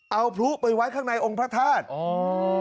เอาพลุไปไว้ข้างในองค์พระธาตุอ๋อ